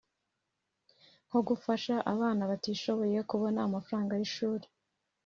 nko gufasha abana batishoboye kubona amafaranga y’ishuri…